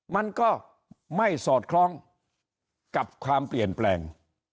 มันก็ไม่สอดคล้องกับความเปลี่ยนแปลง